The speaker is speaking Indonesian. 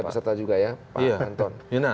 peserta juga ya pak anton